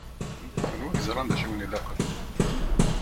D kenwi i yeẓṛan d acu i wen-ilaqen.